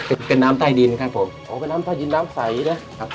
เป็นเป็นน้ำใต้ดินครับผมอ๋อเป็นน้ำใต้ดินน้ำใสนะครับ